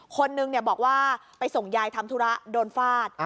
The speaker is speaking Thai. คนนึงบอกว่าไปส่งยายทำธุระโดนฟาด